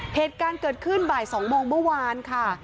เหตุการณ์เกิดขึ้นบ่าย๒โมงเมื่อวานค่ะ